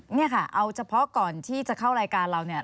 นี่ค่ะเอาเฉพาะก่อนที่จะเข้ารายการเราเนี่ย